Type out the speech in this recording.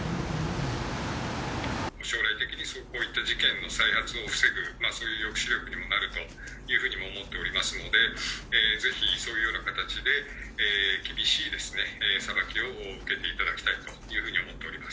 将来的にこういった事件の制圧を防ぐ抑止力にもなるというふうに思っておりますので、ぜひ、そういうような形で厳しい裁きを受けていただきたいというふうに思っております。